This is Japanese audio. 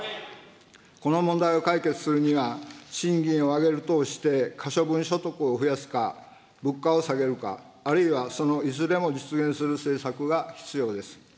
この問題を解決するには、賃金を上げる等して可処分所得を増やすか、物価を下げるか、あるいはそのいずれも実現する政策が必要です。